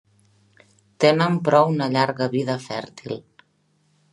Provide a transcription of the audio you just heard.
Tenen però una llarga vida fèrtil.